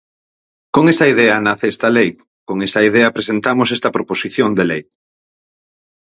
Con esa idea nace esta lei, con esa idea presentamos esta proposición de lei.